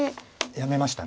やめました。